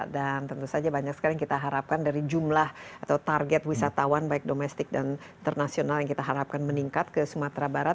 dan tentu saja banyak sekali yang kita harapkan dari jumlah atau target wisatawan baik domestik dan internasional yang kita harapkan meningkat ke sumatera barat